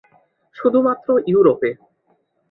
শুধুমাত্র ইউরোপে।